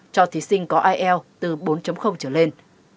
cho thí sinh có ielts từ bốn trở lên